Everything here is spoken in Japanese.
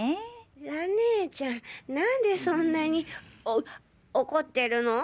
蘭ねえちゃんなんでそんなにお怒ってるの？